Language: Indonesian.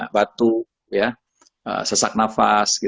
batu sesak nafas